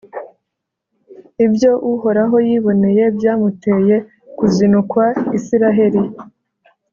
ibyo uhoraho yiboneye byamuteye kuzinukwa isiraheri: